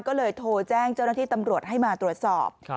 ก็เลยโทรแจ้งเจ้าหน้าที่ตำรวจให้มาตรวจสอบ